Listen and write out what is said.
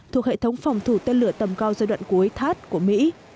thuộc hệ thống phòng thủ tên lửa tầm cao giai đoạn cuối thắt của mỹ